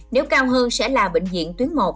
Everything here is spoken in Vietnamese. nếu cao hơn sẽ là bệnh viện tuyến một